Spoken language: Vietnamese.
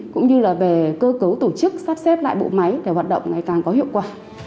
cũng như là về cơ cấu tổ chức sắp xếp lại bộ máy để hoạt động ngày càng có hiệu quả